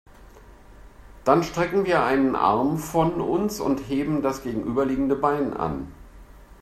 Dann strecken wir einen Arm von uns und heben das gegenüberliegende Bein an.